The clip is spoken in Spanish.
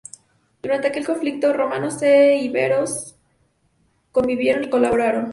Durante aquel conflicto, romanos e íberos convivieron y colaboraron.